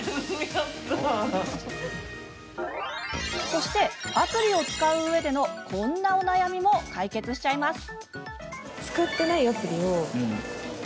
そして、アプリを使ううえでのこんなお悩みも解決しちゃいます。